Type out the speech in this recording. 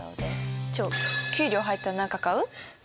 給料入ったら何か買う？